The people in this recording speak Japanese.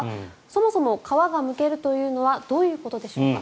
そもそも皮がむけるというのはどういうことでしょうか？